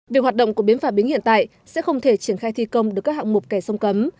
việc hoạt động của bến phà bính hiện tại sẽ không thể triển khai thi công được các hạng mục kẻ sông cấm